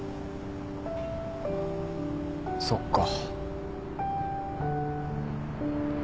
そっか。